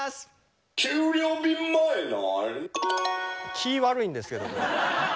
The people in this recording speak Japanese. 気悪いんですけど。